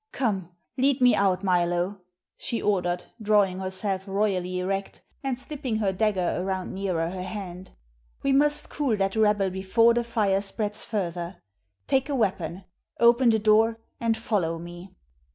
"Come, lead me out, Milo," she ordered, drawing herself royally erect and slipping her dagger around nearer her hand. "We must cool that rabble before the fire spreads further. Take a weapon, open the door, and follow me."